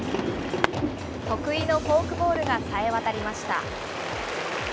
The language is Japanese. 得意のフォークボールがさえ渡りました。